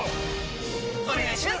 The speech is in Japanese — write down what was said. お願いします！！！